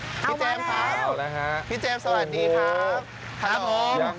เอามาแล้วเอาแล้วครับโอ้โฮครับผมพี่เจมส์สวัสดีครับ